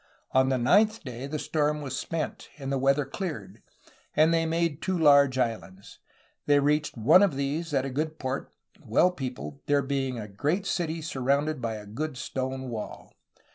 On the ninth day the storm was spent and the weather cleared, and they made two large islands. They reached one of these at a good port well peo pled, there being a great city surrounded by a good stone wall.